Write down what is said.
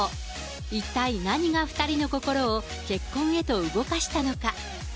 一体何が２人の心を結婚へと動かしたのか。